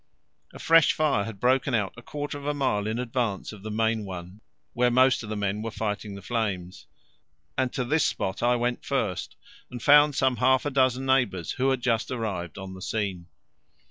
A fresh fire had broken out a quarter of a mile in advance of the main one, where most of the men were fighting the flames; and to this spot I went first, and found some half a dozen neighbours who had just arrived on the scene.